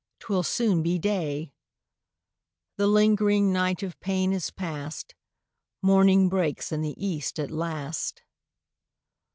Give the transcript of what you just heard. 'twill soon be day;" The lingering night of pain is past, Morning breaks in the east at last.